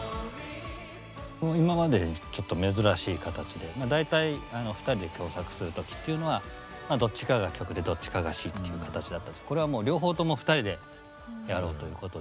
今まででちょっと珍しい形でまあ大体ふたりで共作する時っていうのはどっちかが曲でどっちかが詞っていう形だったんですけどこれはもう両方ともふたりでやろうということで。